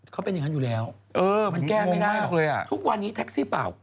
เขาเป็นอย่างนั้นอยู่แล้วมันแก้ไม่ได้หรอกทุกวันนี้แท็กซี่เปล่า